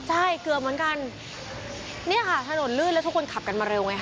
ใช่เกือบเหมือนกันเนี่ยค่ะถนนลื่นแล้วทุกคนขับกันมาเร็วไงค่ะ